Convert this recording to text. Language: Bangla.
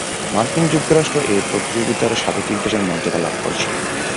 মার্কিন যুক্তরাষ্ট্র এ প্রতিযোগিতার স্বাগতিক দেশের মর্যাদা লাভ করেছিল।